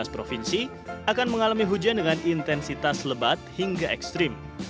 tujuh belas provinsi akan mengalami hujan dengan intensitas lebat hingga ekstrim